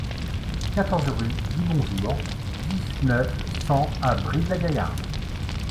quatorze rue Guy Bonjour, dix-neuf, cent à Brive-la-Gaillarde